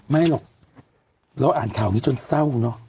ไม่หรอกเราอ่านข่าวนี้จนเศร้าเนอะ